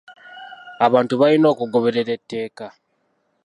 Abantu balina okugoberera etteeka.